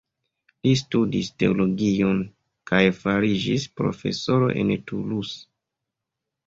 Li studis teologion kaj fariĝis profesoro en Toulouse.